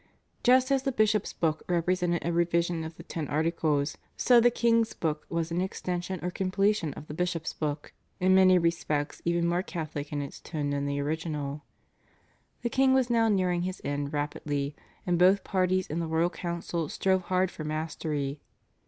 Just as the /Bishop's Book/ represented a revision of the Ten Articles, so the /King's Book/ was an extension or completion of the /Bishop's Book/, in many respects even more Catholic in its tone than the original. The king was now nearing his end rapidly, and both parties in the royal council strove hard for mastery.